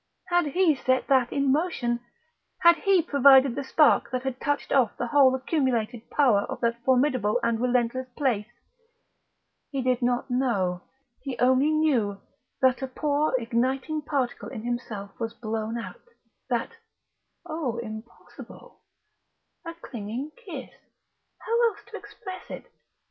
Had he set that in motion? Had he provided the spark that had touched off the whole accumulated power of that formidable and relentless place? He did not know. He only knew that that poor igniting particle in himself was blown out, that Oh, impossible! a clinging kiss (how else to express it?)